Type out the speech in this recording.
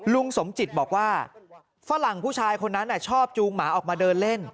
ลุงสมจิตบอกว่าฝรั่งผู้ชายคนนั้นชอบจูงหมาออกมาเดินเล่น